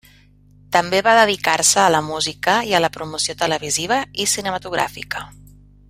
També va dedicar-se a la música i a la promoció televisiva i cinematogràfica.